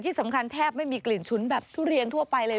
ที่สำคัญแทบไม่มีกลิ่นฉุนแบบทุเรียนทั่วไปเลย